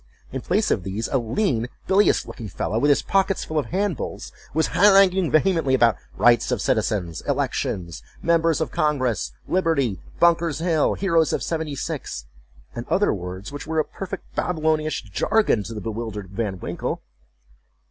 In place of these, a lean, bilious looking fellow, with his pockets full of handbills, was haranguing vehemently about rights of citizens—elections—members of congress—liberty—Bunker's Hill—heroes of seventy six—and other words, which were a perfect Babylonish jargon to the bewildered Van Winkle.